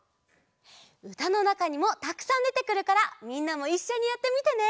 うたのなかにもたくさんでてくるからみんなもいっしょにやってみてね！